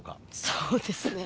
そうですね